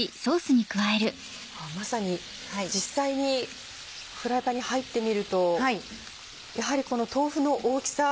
まさに実際にフライパンに入ってみるとやはりこの豆腐の大きさ。